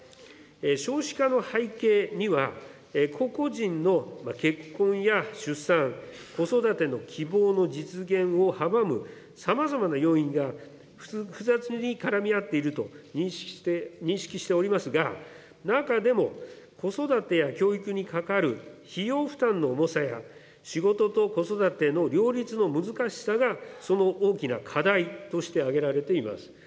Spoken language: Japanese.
少子化の背景には個々人の結婚や出産、子育ての希望の実現を阻むさまざまな要因が複雑に絡み合っていると認識しておりますが、中でも、子育てや教育にかかる費用負担の重さや仕事と子育ての両立の難しさが、その大きな課題として挙げられています。